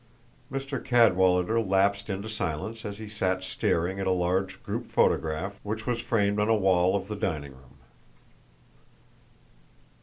Mr. Cadwallader lapsed into silence as he sat staring at a large group photograph which was framed on a wall of the dining room.